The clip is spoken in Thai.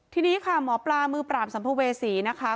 ทีนี้ค่ะหมอปลามือปราบสัมภเวษีนะคะ